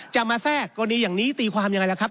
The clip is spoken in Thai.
จะมาแทรกกรณีอย่างนี้ตีความยังไงล่ะครับ